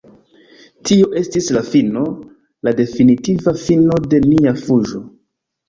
Tio estis la fino, la definitiva fino de nia fuĝo.